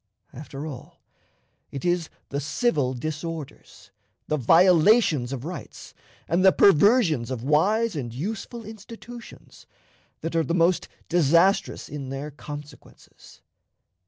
After all, it is the civil disorders, the violations of rights, and the perversions of wise and useful institutions, that are the most disastrous in their consequences.